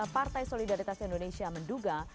partai solidaritas indonesia menduga